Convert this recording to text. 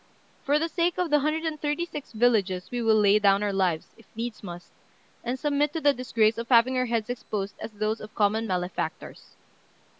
For the sake of the hundred and thirty six villages we will lay down our lives, if needs must, and submit to the disgrace of having our heads exposed as those of common malefactors."